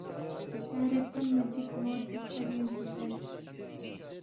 ایژارے تھونما چِک مو سی کھا بیُونگسے زیرس،